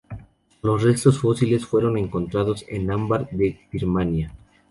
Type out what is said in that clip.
Los restos fósiles fueron encontradas en ámbar de Birmania.